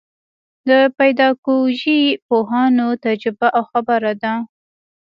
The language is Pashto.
د پیداکوژۍ پوهانو تجربه او خبره ده.